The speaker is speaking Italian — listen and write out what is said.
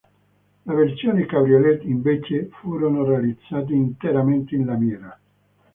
Le versioni cabriolet, invece, furono realizzate interamente in lamiera.